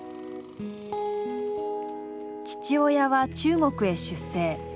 父親は中国へ出征。